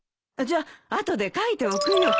じゃ後で書いておくよ。